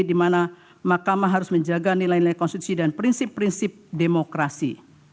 di mana mahkamah harus menjaga nilai nilai konstitusi dan prinsip prinsip demokrasi